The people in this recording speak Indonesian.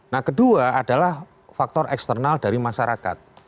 nah kedua adalah faktor eksternal dari masyarakat